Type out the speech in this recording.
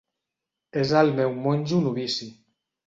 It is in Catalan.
És el meu monjo novici.